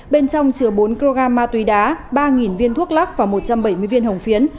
bên trong chứa bốn kg ma túy đá ba viên thuốc lắc và một trăm bảy mươi viên hồng phiến